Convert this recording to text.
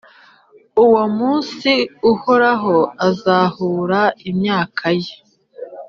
Uwo munsi, Uhoraho azahura imyaka ye,